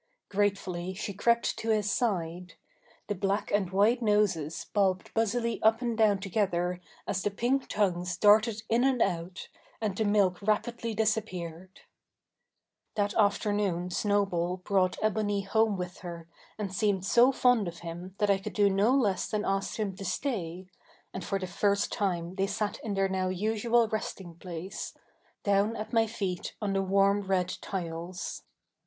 Gratefully she crept to his side; the black and white noses bobbed busily up and down together as the pink tongues darted in and out, and the milk rapidly disappeared. That afternoon Snowball brought Ebony home with her and seemed so fond of him that I could do no less than ask him to stay, and for the first time they sat in their now usual resting place down at my feet on the warm red tiles.